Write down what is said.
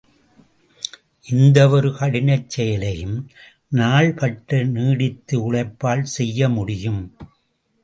எந்தவொரு கடினச் செயலையும் நாள்பட்ட நீடித்த உழைப்பால் செய்யமுடியும்.